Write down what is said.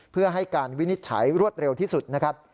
เพื่อให้การวินิจฉัยรวดเร็วที่สุดนะครับ